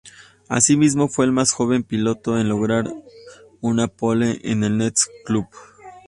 Asimismo fue el más joven piloto en lograr una "pole" en la Nextel Cup.